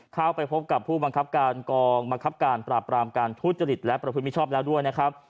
เข้าไปพบกับผู้บังคับการกองบังคับการปราบรามการทุจริตและประพฤติมิชชอบแล้วด้วยนะครับ